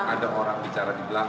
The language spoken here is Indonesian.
ada orang bicara di belakang